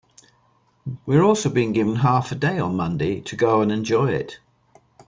We're also being given a half day on Monday to go and enjoy it.